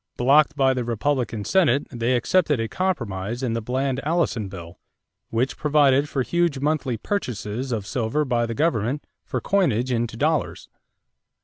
Blocked by the Republican Senate they accepted a compromise in the Bland Allison bill, which provided for huge monthly purchases of silver by the government for coinage into dollars.